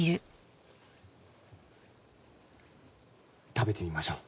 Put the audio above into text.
食べてみましょう。